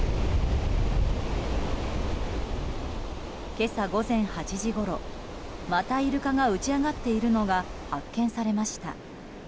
今朝午前８時ごろ、またイルカが打ち揚がっているのが発見されました。